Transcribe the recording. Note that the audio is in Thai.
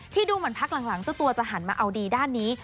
ดูเหมือนพักหลังเจ้าตัวจะหันมาเอาดีด้านนี้